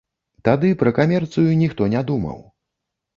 Тады пра камерцыю ніхто не думаў.